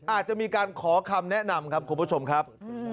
อาจจะมีการขอคำแนะนำครับคุณผู้ชมครับ